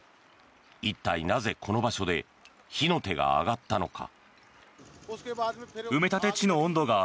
一体なぜ、この場所で火の手が上がったのか。